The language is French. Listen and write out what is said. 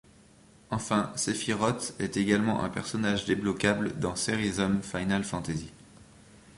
Enfin, Sephiroth est également un personnage déblocable dans Theatrhythm Final Fantasy.